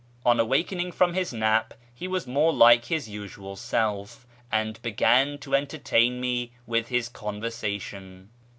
On awakening from his nap he was more like his usual self, and began to entertain me with his conversation.